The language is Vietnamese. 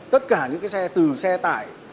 tất cả những cái xe từ xe tải